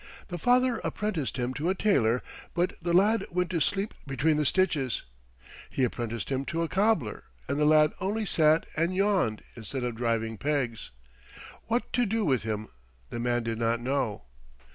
The father apprenticed him to a tailor, but the lad went to sleep between the stitches. He apprenticed him to a cobbler and the lad only sat and yawned instead of driving pegs. What to do with him the man did not know.